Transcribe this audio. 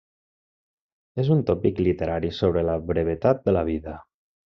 És un tòpic literari sobre la brevetat de la vida.